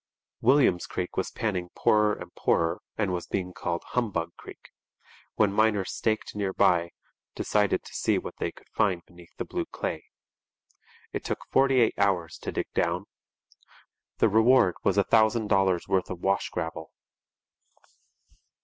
William's Creek was panning poorer and poorer and was being called 'Humbug Creek,' when miners staked near by decided to see what they could find beneath the blue clay. It took forty eight hours to dig down. The reward was a thousand dollars' worth of wash gravel.